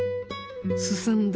すさんだ